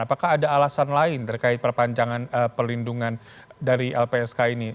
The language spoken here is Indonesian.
apakah ada alasan lain terkait perpanjangan pelindungan dari lpsk ini